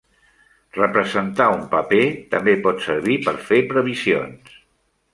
Representar un paper també pot servir per fer previsions.